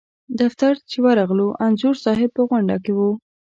دفتر چې ورغلو انځور صاحب په غونډه کې و.